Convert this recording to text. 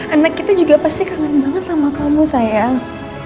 anak kita juga pasti kangen banget sama kamu sayang